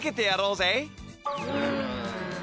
うん。